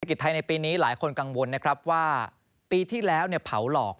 เศรษฐกิจไทยในปีนี้หลายคนกังวลว่าปีที่แล้วเผาหลอก